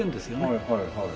はいはいはい。